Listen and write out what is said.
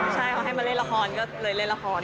ใช่เขาให้มาเล่นละครก็เลยเล่นละคร